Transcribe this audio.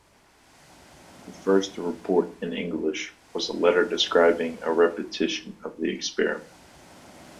The first report in English was a letter describing a repetition of the experiment.